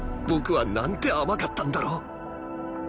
僕はなんて甘かったんだろう